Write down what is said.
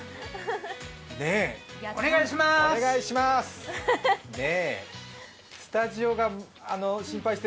お願いしまーす！